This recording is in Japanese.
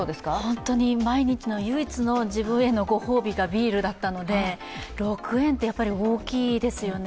本当に毎日の唯一の自分へのご褒美がビールだったので６円って、やっぱり大きいですよね。